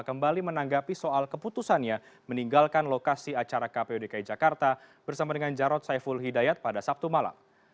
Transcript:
kembali menanggapi soal keputusannya meninggalkan lokasi acara kpu dki jakarta bersama dengan jarod saiful hidayat pada sabtu malam